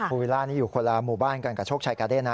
ภูวิลล่านี่อยู่คนละหมู่บ้านกับชกชายกาเด็ดนะฮะ